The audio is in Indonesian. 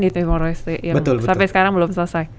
di timor leste yang sampai sekarang belum selesai